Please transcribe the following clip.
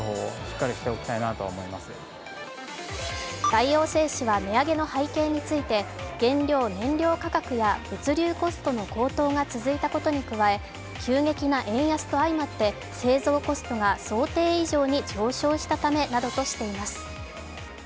大王製紙は値上げの背景について、原料・燃料価格や物流コストの高騰が続いたことに加え急激な円安と相まって製造コストが想定以上に上昇したためなどとしています。